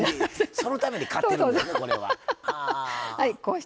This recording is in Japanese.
そのために買ってるので、それは。